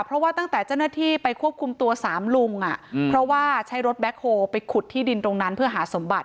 เพราะว่าตั้งแต่เจ้าหน้าที่ไปควบคุมตัวสามลุงเพราะว่าใช้รถแบ็คโฮลไปขุดที่ดินตรงนั้นเพื่อหาสมบัติ